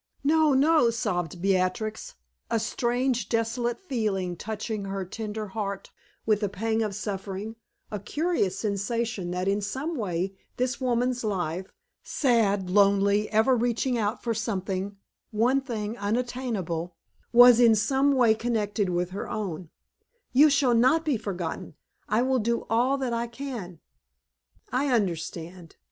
"No, no!" sobbed Beatrix, a strange, desolate feeling touching her tender heart with a pang of suffering, a curious sensation that in some way this woman's life, sad, lonely, ever reaching out for something, one thing unattainable, was in some way connected with her own, "you shall not be forgotten. I will do all that I can." "I understand.